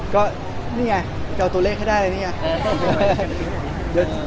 ก็นี่ไงจะเอาตัวเลขให้ได้เลยนี่ไง